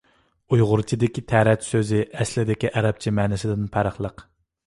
ئۇيغۇرچىدىكى «تەرەت» سۆزى ئەسلىدىكى ئەرەبچە مەنىسىدىن پەرقلىق.